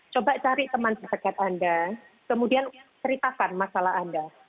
coba cari teman terdekat anda kemudian ceritakan masalah anda